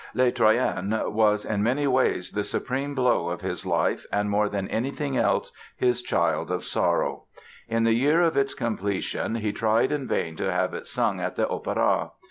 "Les Troyens" was, in many ways, the supreme blow of his life and more than anything else his child of sorrow. In the year of its completion he tried in vain to have it sung at the Opéra.